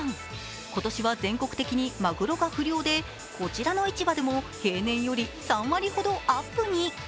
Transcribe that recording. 今年は全国的にマグロが不漁でこちらの市場でも平年より３割ほどアップに。